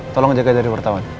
tolong jaga dari wartawan